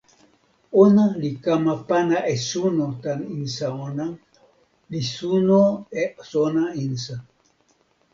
ona li kama pana e suno tan insa ona, li suno e sona insa.